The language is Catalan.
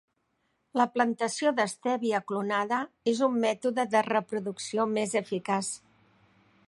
La plantació d'estèvia clonada és un mètode de reproducció més eficaç.